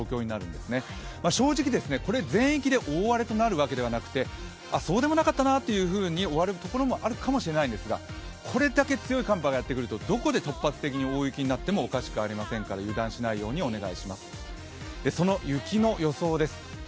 正直これ全域で大荒れとなるわけではなくてそうでもなかったなというふうに終わるところもあるかもしれないんですがこれだけ強い寒波がやってくるとどこで突発的な大雪になるかもしれませんので注意してください。